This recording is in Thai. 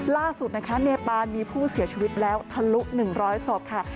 ล่าสุดนะคะเนปานมีผู้เสียชีวิตแล้วทะลุ๑๐๐ศพค่ะ